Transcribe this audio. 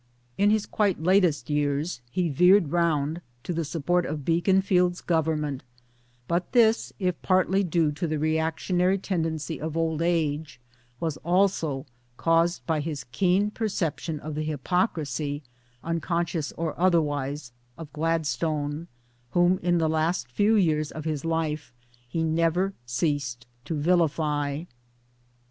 In his quite latest years he veered round to the support of Beaconsfield's Government ; but this, if partly due to the reactionary tendency of old age, was also caused by his keen perception of the hypocrisy (unconscious or otherwise) of Glad stone, whom in the last few years of his life he never ceased to vilify.